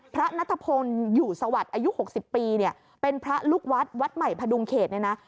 พระนัทพงศ์อยู่สวัสดิ์อายุ๖๐ปีเนี่ยเป็นพระลูกวัดวัดใหม่พดุงเขตเนี่ยนะ